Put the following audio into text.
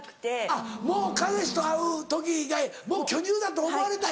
あっもう彼氏と会う時以外も巨乳だと思われたい。